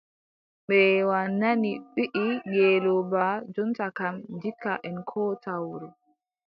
Mbeewa nani wiʼi ngeelooba jonta kam, ndikka en koota wuro.